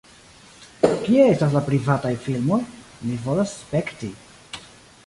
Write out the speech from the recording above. Kie estas la privataj filmoj? Mi volas spekti